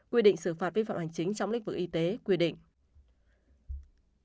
quy định xử phạt vi phạm hành chính trong lĩnh vực y tế quy định